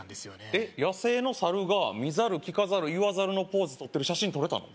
えっ野生のサルが見ざる聞かざる言わざるのポーズ撮ってる写真撮れたの？